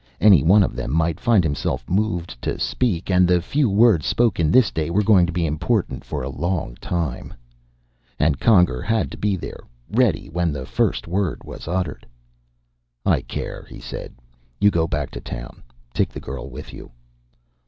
Anyone of them might find himself moved to speak. And the few words spoken this day were going to be important for a long time. And Conger had to be there, ready when the first word was uttered! "I care," he said. "You go on back to town. Take the girl with you."